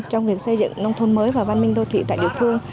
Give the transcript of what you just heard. trong việc xây dựng nông thôn mới và văn minh đô thị tại địa phương